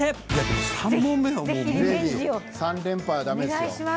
３連敗はだめですよ。